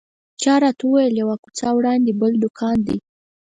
چا راته وویل یوه کوڅه وړاندې بل دوکان دی.